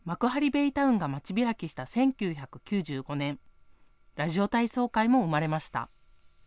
ベイタウンが街開きした１９９５年ラジオ体操会も生まれました。